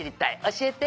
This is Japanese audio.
教えて」